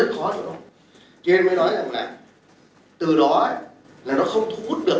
thế nên mới nói rằng là từ đó là nó không thu hút được